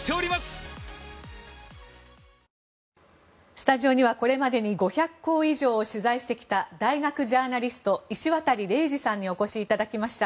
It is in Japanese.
スタジオにはこれまでに５００校以上を取材してきた大学ジャーナリスト石渡嶺司さんにお越しいただきました。